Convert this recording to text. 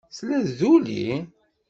Tella tduli?